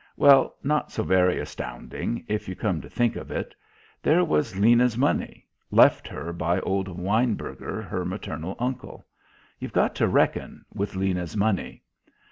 Well, not so very astounding, if you come to think of it. There was Lena's money, left her by old Weinberger, her maternal uncle. You've got to reckon with Lena's money.